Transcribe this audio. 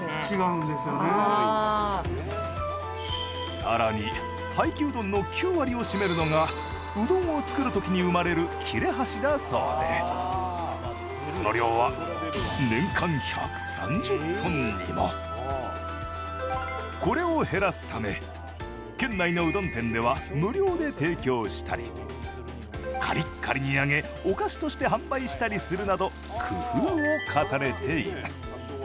更に、廃棄うどんの９割を占めるのがうどんを作るときに生まれる切れ端だそうでその量は年間１３０ｔにも。これを減らすため、県内のうどん店では無料で提供したり、カリッカリに揚げてお菓子にしたり、工夫を重ねています。